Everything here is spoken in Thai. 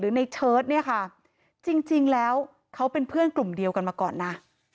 ในเชิดเนี่ยค่ะจริงแล้วเขาเป็นเพื่อนกลุ่มเดียวกันมาก่อนนะ